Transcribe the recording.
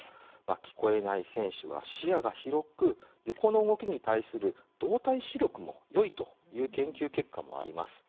聞こえない選手は視野が広く横の動きに対する動体視力もよいという研究結果もあります。